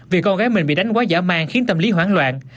vì con gái mình bị đánh quá giả mang khiến tâm lý hoảng loạn